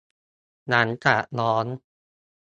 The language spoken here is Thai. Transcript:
หลังจากร้อง